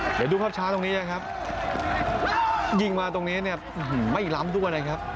เดี๋ยวดูภาพช้าตรงนี้นะครับยิงมาตรงนี้เนี่ยไม่ล้ำด้วยนะครับ